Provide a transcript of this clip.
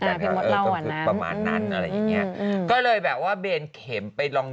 เออก็คือประมาณนั้นอะไรอย่างเงี้ยก็เลยแบบว่าเบนเข็มไปลอง